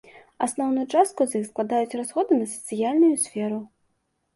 Асноўную частку з іх складаюць расходы на сацыяльную сферу.